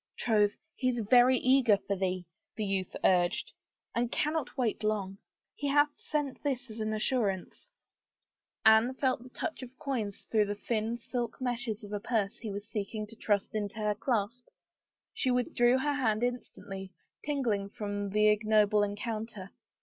... Troth, he is very eager for thee," the youth urged, and cannot long wait. He hath sent this as an assurance —" 6s THE FAVOR OF KINGS Anne's fingers felt the touch of coins through the thin silk meshes of a purse he was seeking to thrust into her clasp. She withdrew her hand instantly, tingling from the ignoble encounter.